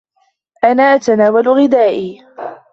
أنا أتناول غدائي.